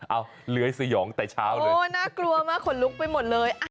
เอาเลื้อยสยองแต่เช้าเลยโอ้น่ากลัวมากขนลุกไปหมดเลย